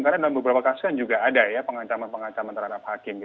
karena dalam beberapa kasus kan juga ada pengencaman pengencaman terhadap hakim